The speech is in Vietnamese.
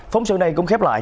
phóng sự này cũng khép lại